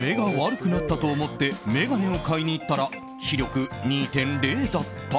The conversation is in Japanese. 目が悪くなったと思って眼鏡を買いに行ったら視力２．０だった。